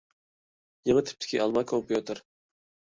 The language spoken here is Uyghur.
يېڭى تىپتىكى ئالما كومپيۇتېر.